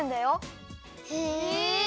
へえ！